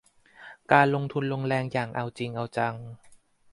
การลงทุนลงแรงอย่างเอาจริงเอาจัง